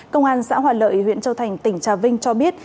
công an xã hòa lợi huyện châu thành tỉnh trà vinh cho biết